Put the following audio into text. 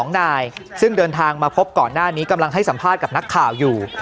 ๒นายซึ่งเดินทางมาพบก่อนหน้านี้กำลังให้สัมภาษณ์กับนักข่าวอยู่